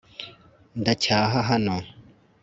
NDACYAHA HANO